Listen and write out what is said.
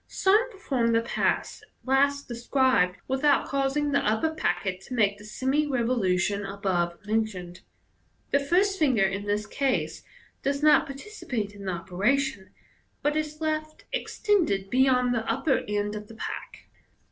Some perform the pass last described without causing the upper packet to make the semi revolution above mentioned. The first finger in this case does not participate in the operation, but is left extended beyond the upper end of th«* pack.